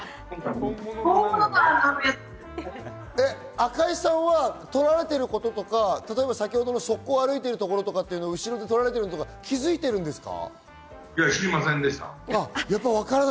赤井さんは撮られていることとか先ほどの歩いているところを後ろで撮られていることとか、気づいているんですか？